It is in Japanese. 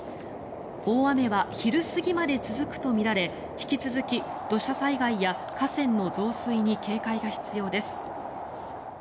大雨は昼過ぎまで続くとみられ引き続き土砂災害や河川の増水に警戒が必要です。